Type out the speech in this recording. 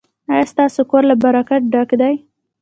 ایا ستاسو کور له برکت ډک دی؟